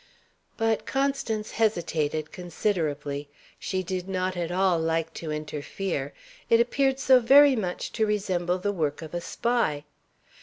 But Constance hesitated, considerably. She did not at all like to interfere; it appeared so very much to resemble the work of a spy.